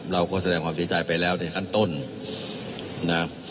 เราก็แสดงความเสียใจไปแล้วในขั้นต้นนะ